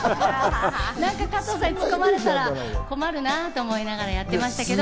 なんか加藤さんにツッコまれたら困るなぁと思いながらやってましたけど。